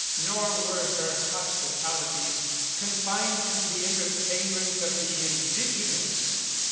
Nor were her hospitalities confined to the entertain ment of the indigenous.